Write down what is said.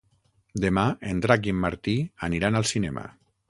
Demà en Drac i en Martí aniran al cinema.